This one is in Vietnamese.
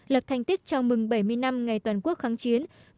lập thành tích chào mừng bảy mươi năm ngày toàn quốc kháng chiến